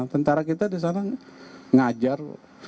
tentara kita di sana ngajar